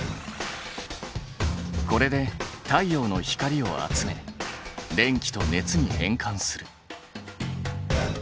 これで太陽の光を集め電気と熱に変換する。